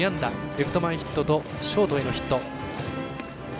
レフト前ヒットとショートへのヒット。